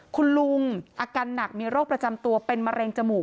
คุณลุงอาการหนักมีโรคประจำตัวเป็นมะเร็งจมูก